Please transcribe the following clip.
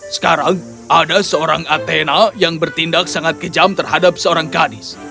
sekarang ada seorang atena yang bertindak sangat kejam terhadap seorang kadis